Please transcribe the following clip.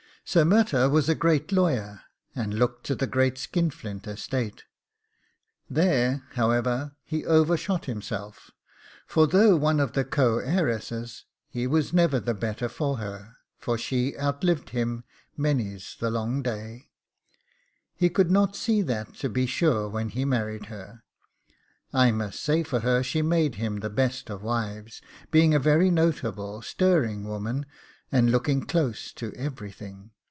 Sir Murtagh was a great lawyer, and looked to the great Skinflint estate; there, however, he overshot himself; for though one of the co heiresses, he was never the better for her, for she outlived him many's the long day he could not see that to be sure when he married her. I must say for her, she made him the best of wives, being a very notable, stirring woman, and looking close to everything.